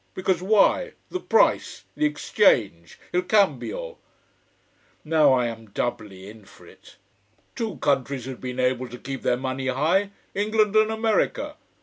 Because why! The price. The exchange! Il cambio. Now I am doubly in for it. Two countries had been able to keep their money high England and America.